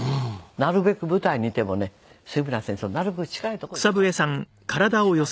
なるべく舞台にいてもね杉村先生のなるべく近いとこに座るの。